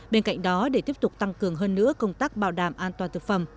bên cạnh đó để tiếp tục tăng cường hơn nữa công tác bảo đảm an toàn thực phẩm